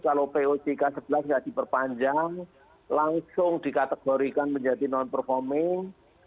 kalau pojk sebelas tidak diperpanjang langsung dikategorikan menjadi non performing